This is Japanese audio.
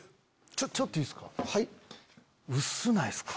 ちょっといいっすか？